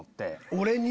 俺に？